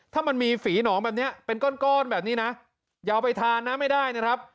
ถ้ามันมีฝีหนองแบบนี้เป็นก้อนแบบนี้นะอย่าเอาไปทานนะไม่ได้นะครับ